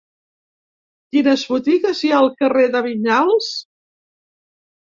Quines botigues hi ha al carrer de Vinyals?